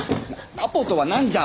アポとは何じゃ！